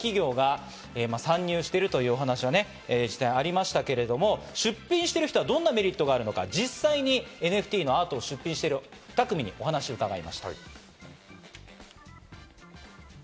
これが実際にいろんな企業が参入しているというお話が実際ありましたけど、出品している人はどんなメリットがあるのか、実際にＮＦＴのアートを出品している２組にお話を伺いました。